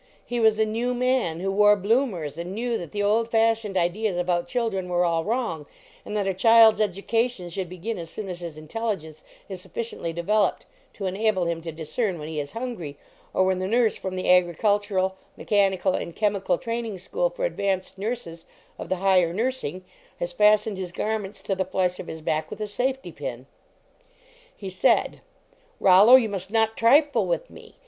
He was a new man, who wore bloom and knew that the old fashioned ideas 13 LEARNING TO BREATHE about children were all wrong, and that a child s education should begin as soon as his intelligence is sufficiently developed to enable him to discern when he is hungry, or when the nurse from the agricultural, me chanical and chemical training school for advanced nurses of the higher nursing has fastened his garments to the flesh of his back with a safety pin. He said :" Rollo, you must not trifle with me.